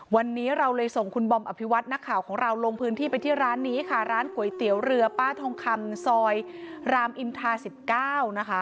วันนี้เราเลยส่งคุณบอมอภิวัตนักข่าวของเราลงพื้นที่ไปที่ร้านนี้ค่ะร้านก๋วยเตี๋ยวเรือป้าทองคำซอยรามอินทรา๑๙นะคะ